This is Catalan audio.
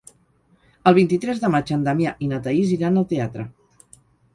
El vint-i-tres de maig en Damià i na Thaís iran al teatre.